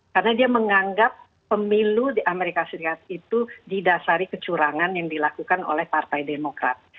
karena dia menganggap pemilu amerika serikat itu didasari kecurangan yang dilakukan oleh partai demokrat